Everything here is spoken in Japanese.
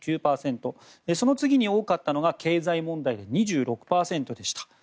その次に多かったのが経済問題で２６％でした。